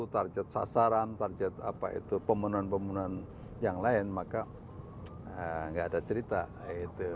target sasaran target apa itu pemenuhan pemenuhan yang lain maka nggak ada cerita gitu